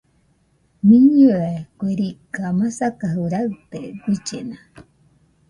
Mɨnɨe kue riga masakajɨ raɨte, guillena